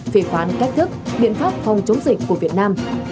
phỉ khoán cách thức biện pháp phòng chống dịch của việt nam